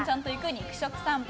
肉食さんぽ。